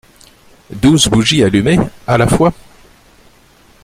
Douze bougies allumées … à la fois !